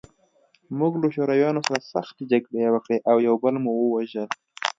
موږ له شورویانو سره سختې جګړې وکړې او یو بل مو وژل